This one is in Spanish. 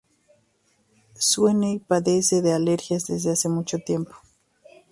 Sweeney padece de alergia desde hace mucho tiempo.